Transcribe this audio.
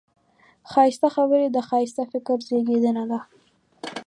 ښایسته خبرې د ښایسته فکر زېږنده ده